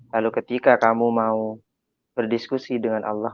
lalu ketika kamu mau berdiskusi dengan allah